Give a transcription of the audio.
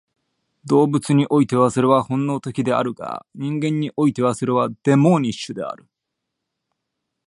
動物においてはそれは本能的であるが、人間においてはそれはデモーニッシュである。